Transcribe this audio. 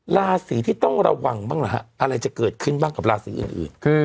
ราศีที่ต้องระวังบ้างหรือฮะอะไรจะเกิดขึ้นบ้างกับราศีอื่น